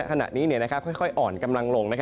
ขณะนี้ค่อยอ่อนกำลังลง